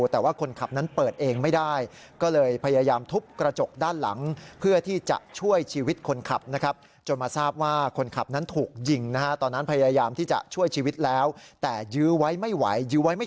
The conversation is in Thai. แต่ว่าคนขับนั้นเปิดเองไม่ได้